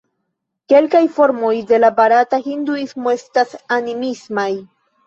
Kelkaj formoj de la barata Hinduismo estas animismaj.